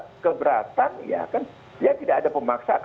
kalau tidak keberatan ya kan dia tidak ada pemaksa